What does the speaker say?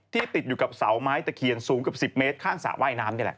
ติดอยู่กับเสาไม้ตะเคียนสูงเกือบ๑๐เมตรข้างสระว่ายน้ำนี่แหละ